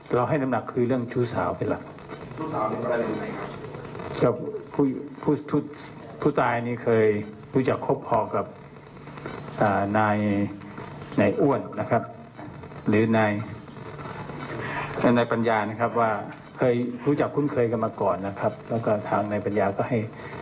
การสนับสนุนเรื่องเกี่ยวกับเงินการการกันไปได้บ่ความนึกกว่า